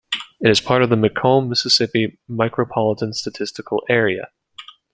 It is part of the McComb, Mississippi Micropolitan Statistical Area.